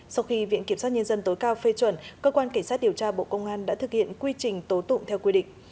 sau khi viện kiểm soát nhân dân tối cao phê chuẩn cơ quan cảnh sát điều tra bộ công an đã thực hiện quy trình tố tụng theo quy định